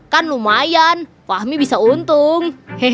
kan lumayan fahmi bisa untung